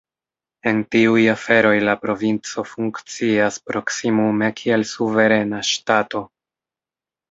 En tiuj aferoj la provinco funkcias proksimume kiel suverena ŝtato.